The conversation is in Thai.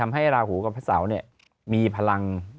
ไอ้ฤาหูกับไอ้ศาวน์เนี่ยมีพลัง